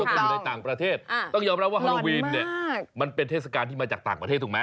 แล้วก็อยู่ในต่างประเทศต้องยอมรับว่าฮาโลวีนเนี่ยมันเป็นเทศกาลที่มาจากต่างประเทศถูกไหม